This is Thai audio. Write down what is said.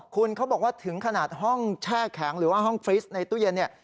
คุณเขาบอกว่าถึงขนาดห้องแช่แข็งหรือว่าห้องฟรีสในตู้เย็นเนี่ย